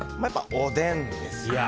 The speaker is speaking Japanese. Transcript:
おでんですかね。